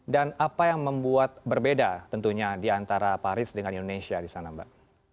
dan apa yang membuat berbeda tentunya di antara paris dengan indonesia di sana mbak